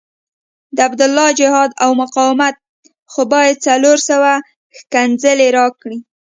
د عبدالله جهاد او مقاومت خو باید څلور سوه ښکنځلې راکړي.